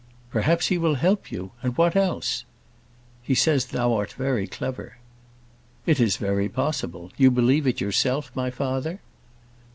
"Perhaps he will help you. And what else?" "He says thou art very clever." "It is very possible. You believe it yourself, my father?"